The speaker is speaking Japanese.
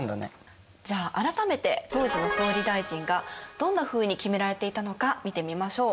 じゃあ改めて当時の総理大臣がどんなふうに決められていたのか見てみましょう。